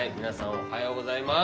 おはようございます。